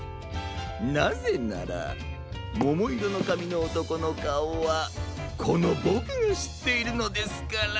なぜならももいろのかみのおとこのかおはこのボクがしっているのですから。